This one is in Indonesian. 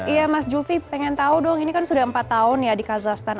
iya mas jufi pengen tahu dong ini kan sudah empat tahun ya di kazahstan